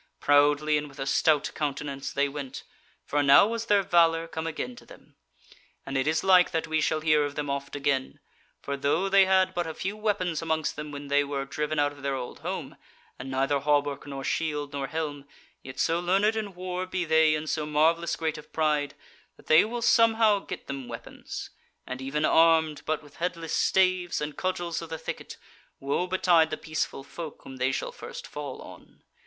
Proudly and with a stout countenance they went, for now was their valour come again to them. And it is like that we shall hear of them oft again; for though they had but a few weapons amongst them when they were driven out of their old home, and neither hauberk nor shield nor helm, yet so learned in war be they and so marvellous great of pride, that they will somehow get them weapons; and even armed but with headless staves, and cudgels of the thicket, woe betide the peaceful folk whom they shall first fall on.